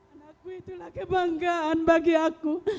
anakku itulah kebanggaan bagi aku